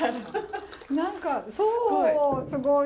何かふぉすごい。